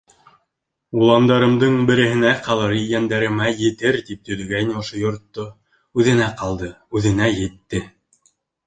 Уландарымдың береһенә ҡалыр, ейәндәремә етер тип төҙөгәйне ошо йортто, үҙенә ҡалды, үҙенә етте.